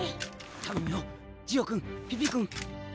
頼むよジオ君ピピ君！